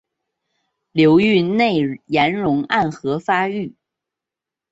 流域内岩溶暗河发育。